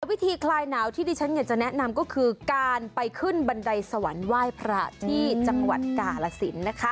วิธีคลายหนาวที่ดิฉันอยากจะแนะนำก็คือการไปขึ้นบันไดสวรรค์ไหว้พระที่จังหวัดกาลสินนะคะ